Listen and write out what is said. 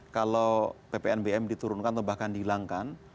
kalau ppnbm diturunkan atau bahkan dihilangkan